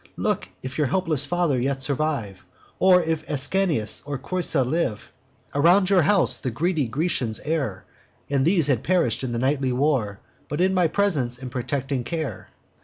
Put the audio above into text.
Look if your helpless father yet survive, Or if Ascanius or Creusa live. Around your house the greedy Grecians err; And these had perish'd in the nightly war, But for my presence and protecting care.